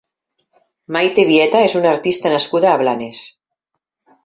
Mayte Vieta és una artista nascuda a Blanes.